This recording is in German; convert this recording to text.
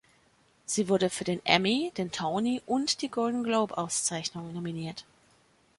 Sie wurde für den Emmy, den Tony und die Golden Globe-Auszeichnung nominiert.